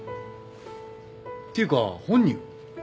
ていうか本人は？